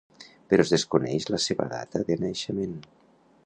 Però es desconeix la seva data de naixement.